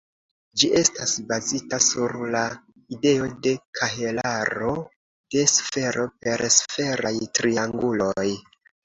Ĝi estas bazita sur la ideo de kahelaro de sfero per sferaj trianguloj.